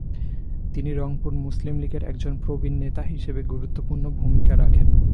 তিনি রংপুর মুসলিমলীগের একজন প্রবীণ নেতা হিসাবে গুরুত্বপূর্ণ ভূমিকা রাখেন।